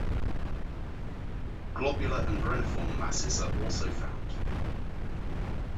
Globular and reniform masses are also found.